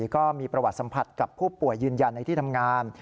ก็มีประวัติสัมผัสกับผู้ป่วยยืนยันในที่ทำงาน